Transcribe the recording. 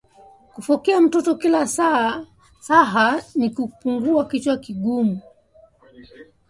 Kufokea mtoto kila saha nikumupa kichwa nguvu